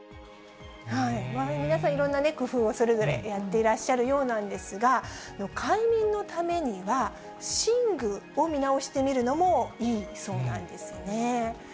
皆さん、いろんな工夫を、それぞれやっていらっしゃるようなんですが、快眠のためには寝具を見直してみるのもいいそうなんですよね。